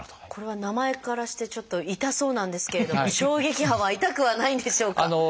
これは名前からしてちょっと痛そうなんですけれども衝撃波は痛くはないんでしょうか？